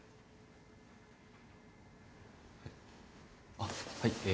あっはいえ。